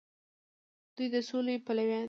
دوی د سولې پلویان دي.